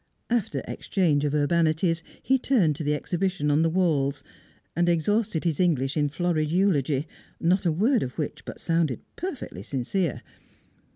After exchange of urbanities, he turned to the exhibition on the walls, and exhausted his English in florid eulogy, not a word of which but sounded perfectly sincere.